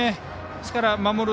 ですから守る